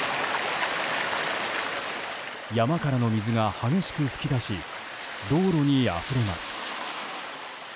山からの水が激しく噴き出し道路にあふれます。